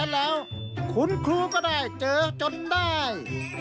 แล้วคุณครูก็ได้เจอจนได้